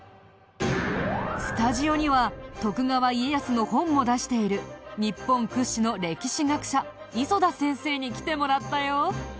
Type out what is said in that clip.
スタジオには徳川家康の本を出している日本屈指の歴史学者磯田先生に来てもらったよ。